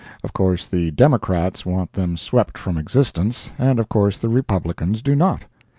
Of course the Democrats want them swept from existence, and of course the Republicans do not.